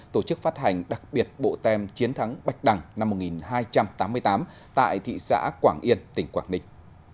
tổ chức phát hành đặc biệt bộ tem chiến thắng bạch đằng năm một nghìn hai trăm tám mươi tám tại thị xã quảng yên tỉnh quảng ninh